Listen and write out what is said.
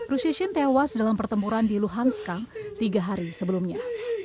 rushishin tewas dalam pertempuran di luhanska tiga hari sebelumnya